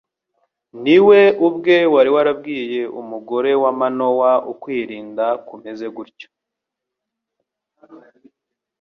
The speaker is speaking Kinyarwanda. Ni we ubwe wari warabwiye umugore wa Manowa ukwirinda kumeze gutyo.